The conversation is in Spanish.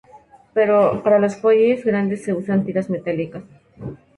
Para los fuelles grandes se usan tiras metálicas.